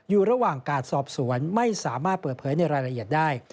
อยู่ระหว่างการสอบสวนไม่สามารถเปิดเผยในรายละเอียดได้